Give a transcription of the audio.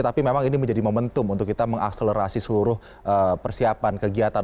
tapi memang ini menjadi momentum untuk kita mengakselerasi seluruh persiapan kegiatan